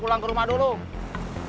supaya rumahnya vuwww